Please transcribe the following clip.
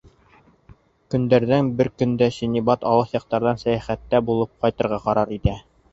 Көндәрҙән бер көндә Синдбад алыҫ яҡтарҙа сәйәхәттә булып ҡайтырға ҡарар итә.